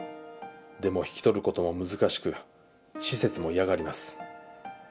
でも引き取る事も難しく施設も嫌がります